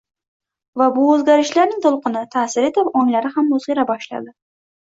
va bu o‘zgarishlarning to‘lqini ta’sir etib onglari ham o‘zgara boshladi.